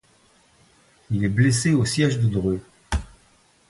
Il est blessé au siège de Dreux.